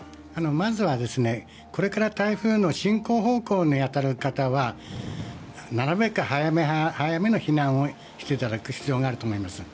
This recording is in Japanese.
まずは、これから台風の進行方向に当たる方はなるべく早め早めの避難をしていただく必要があると思います。